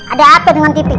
ada apa dengan tv